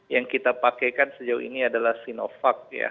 yang kita pakaikan sejauh ini adalah sinovac ya